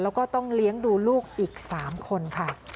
แล้วก็ต้องเลี้ยงดูลูกอีก๓คนค่ะ